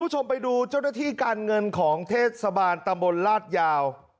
คุณผู้ชมไปดูเจ้าหน้าที่การเงินของเทศบาลตำบลลาดยาว